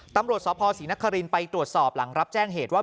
ตำรวจสภศรีนครินไปตรวจสอบหลังรับแจ้งเหตุว่า